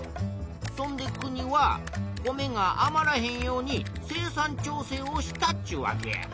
そんで国は米があまらへんように生産調整をしたっちゅうわけや。